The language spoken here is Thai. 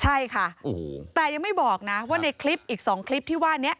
ใช่ค่ะแต่ยังไม่บอกนะว่าในคลิปอีก๒คลิปที่ว่านี้